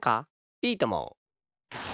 いいとも！